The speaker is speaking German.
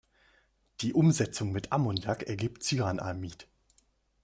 Die Umsetzung mit Ammoniak ergibt Cyanamid.